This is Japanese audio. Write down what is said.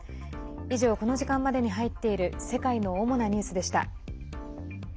以上、この時間までに入っている世界の主なニュースでした。